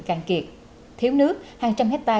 càng kiệt thiếu nước hàng trăm hectare